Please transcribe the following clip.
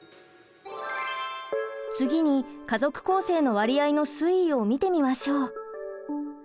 次に家族構成の割合の推移を見てみましょう。